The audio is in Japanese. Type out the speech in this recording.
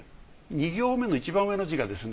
２行目のいちばん上の字がですね